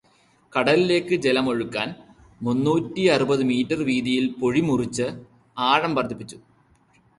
കടലിലേക്ക് ജലമൊഴുക്കാന് മുന്നൂറ്റിയറുപത് മീറ്റര് വീതിയില് പൊഴി മുറിച്ച് ആഴം വര്ദ്ധിപ്പിച്ചു.